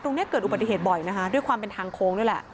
เนี้ยเกิดอุบัติเหตุบ่อยนะคะด้วยความเป็นทางโค้งด้วยแหละ